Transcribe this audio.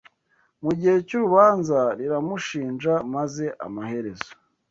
Mu gihe cy’urubanza riramushinja maze amaherezo